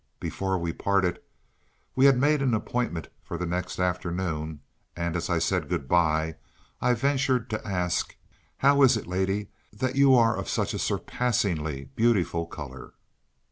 Before we parted, we had made an appointment for the next afternoon, and as I said good bye, I ventured to ask "How is it, lady, that you are of such a surpassingly beautiful colour?"